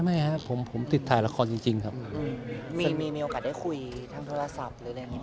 ไม่จีบถ่ายละครจริงครับมีมรีโอกาสได้คุยทั้งโทรศัพท์